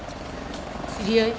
知り合い？